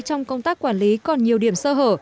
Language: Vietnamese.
trong công tác quản lý còn nhiều điểm sơ hở